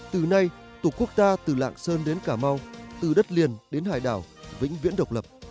từ nay tổ quốc ta từ lạng sơn đến cà mau từ đất liền đến hải đảo vĩnh viễn độc lập